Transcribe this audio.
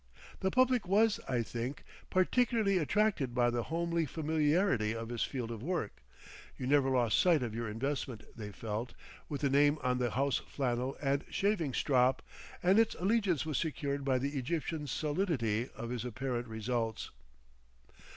The public was, I think, particularly attracted by the homely familiarity of his field of work—you never lost sight of your investment they felt, with the name on the house flannel and shaving strop—and its allegiance was secured by the Egyptian solidity of his apparent results.